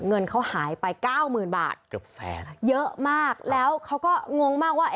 เงินเขาหายไปเก้าหมื่นบาทเกือบแสนเยอะมากแล้วเขาก็งงมากว่า